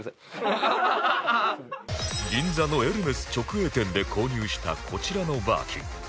銀座のエルメス直営店で購入したこちらのバーキン